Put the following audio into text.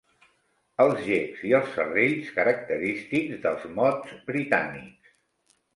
Els gecs i els serrells característics dels 'mods' britànics.